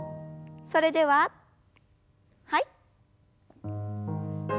それでははい。